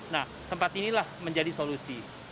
nah tempat inilah menjadi solusi